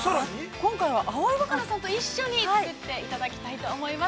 ◆今回は葵わかなさんと一緒に作っていただきたいと思います。